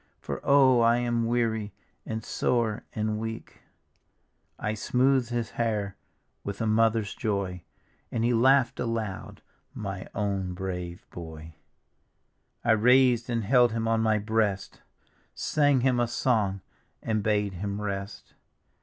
For oh I am weary and sore and weaL" I smoothed his hair with a mother's joy. And he bu^'d aloud, my own brave b<^; D,gt,, erihyGOOgle The Dead Mother I raised and held him on my breast, Sang him a song, and bade him icst.